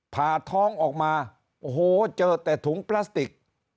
ผ่าท้องออกมาโอ้โหเจอแต่ถุงพลาสติก